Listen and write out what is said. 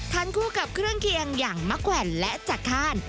คู่กับเครื่องเคียงอย่างมะแขวนและจากข้าน